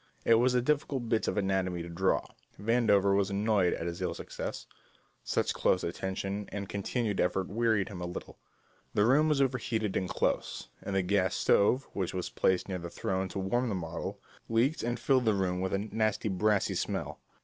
It was a difficult bit of anatomy to draw. Vandover was annoyed at his ill success such close attention and continued effort wearied him a little the room was overheated and close, and the gas stove, which was placed near the throne to warm the model, leaked and filled the room with a nasty brassy smell.